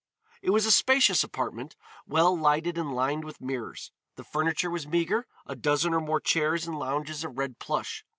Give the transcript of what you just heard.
It was a spacious apartment, well lighted and lined with mirrors; the furniture was meagre, a dozen or more chairs and lounges of red plush.